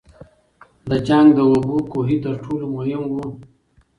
د جنګ د اوبو کوهي تر ټولو مهم وو.